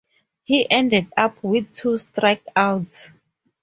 He ended up with two strikeouts.